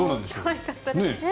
可愛かったですね。